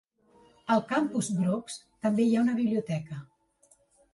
Al Campus Brooks també hi ha una biblioteca.